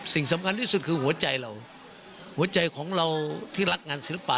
สิ่งสำคัญที่สุดคือหัวใจเราหัวใจของเราที่รักงานศิลปะ